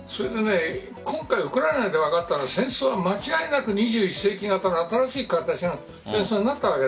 今回ウクライナで分かったのは戦争は間違いなく２１世紀型の新しい形なんです。